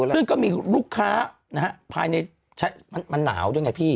ซึ่งก็มีลูกค้านะฮะภายในมันหนาวด้วยไงพี่